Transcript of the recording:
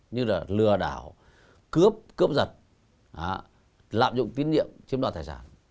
như là lừa đảo cướp cướp giật lạm dụng tín niệm chiếm đoạn tài sản